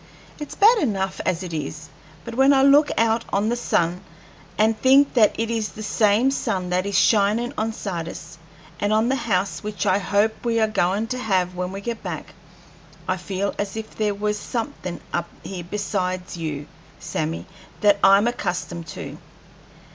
It's bad enough as it is; but when I look out on the sun, and think that it is the same sun that is shinin' on Sardis, and on the house which I hope we are goin' to have when we get back, I feel as if there was somethin' up here besides you, Sammy, that I'm accustomed to.